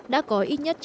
đã có ít nhất